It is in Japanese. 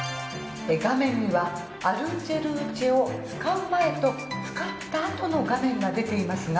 画面にはＡｌｕｃｅｌｕｃｅを使う前と使ったあとの画面が出ていますが。